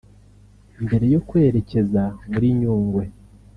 Mbere yo kwerekeza muri Nyungwe